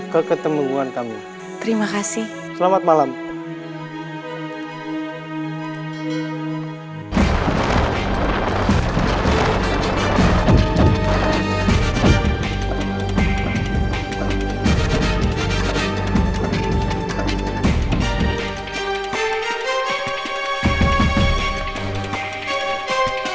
beri dukungan di l sacemak weltamt net